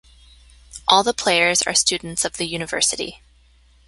All the players are students of the university.